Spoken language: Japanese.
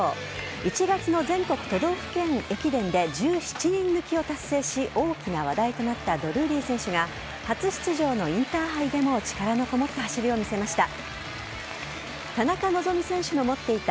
１月の全国都道府県駅伝で１７人抜きを達成し大きな話題となったドルーリー選手が初出場のインターハイでも力のこもった走りを見せました。